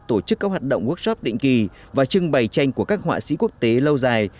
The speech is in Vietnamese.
tổ chức các hoạt động workshop định kỳ và trưng bày tranh của các họa sĩ quốc tế lâu dài